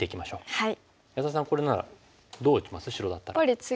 はい。